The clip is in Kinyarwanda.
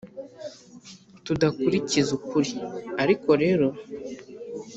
tudakurikiza ukuri: ariko rero,